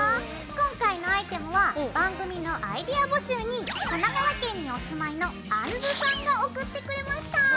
今回のアイテムは番組のアイデア募集に神奈川県にお住まいのあんずさんが送ってくれました！